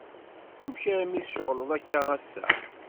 Amek armi tceɣleḍ akka assa?